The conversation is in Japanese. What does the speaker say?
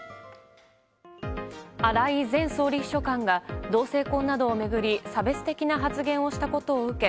荒井前総理秘書官が同性婚などを巡り差別的な発言をしたことを受け